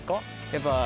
やっぱ。